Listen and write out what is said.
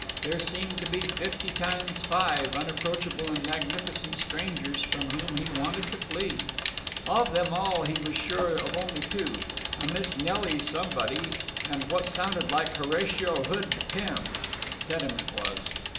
There seemed to be fifty times five unapproachable and magnificent strangers from whom he wanted to flee. Of them all he was sure of only two—a Miss Nelly somebody and what sounded like Horatio Hood Tem (Teddem it was).